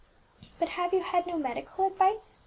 "But have you had no medical advice?"